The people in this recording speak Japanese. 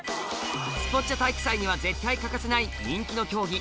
スポッチャ体育祭には絶対欠かせない人気の競技